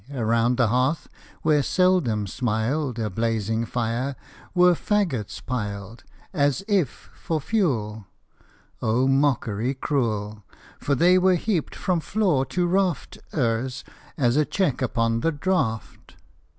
Around the hearth, where seldom smiled A blazing fire, were faggots piled As if for fuel Oh, mockery cruel ! For they were heaped from floor to raft Ers as a check upon the draught.